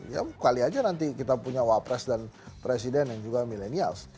ya kali aja nanti kita punya wapres dan presiden yang juga milenials